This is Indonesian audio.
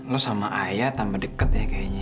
lu sama ayah tambah dekat ya kayaknya